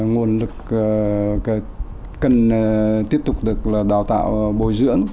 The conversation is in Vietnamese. nguồn lực cần tiếp tục được đào tạo bồi dưỡng